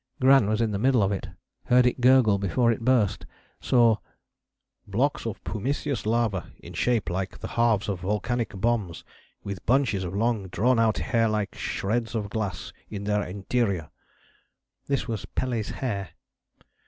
Gran was in the middle of it, heard it gurgle before it burst, saw "blocks of pumiceous lava, in shape like the halves of volcanic bombs, and with bunches of long, drawn out, hair like shreds of glass in their interior." This was Pélé's hair.